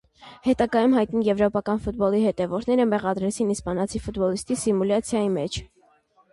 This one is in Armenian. Հետագայում հայտնի եվրոպական ֆուտբոլի հետևորդները մեղադրեցին իսպանացի ֆուտբոլիսիտին սիմուլյացիայի մեջ։